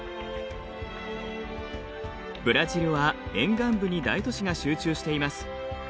ブラジルは沿岸部に大都市が集中しています。